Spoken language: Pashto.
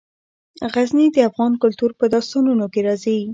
غزني د افغان کلتور په داستانونو کې راځي.